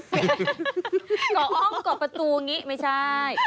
เกาะห้องเกาะประตูอย่างนี้ไม่ใช่